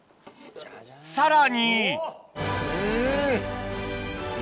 さらにん！